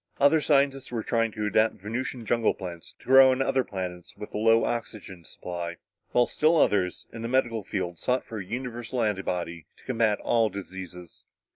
Other scientists were trying to adapt Venusian jungle plants to grow on other planets with a low oxygen supply; while still others, in the medical field, sought for a universal antibody to combat all diseases.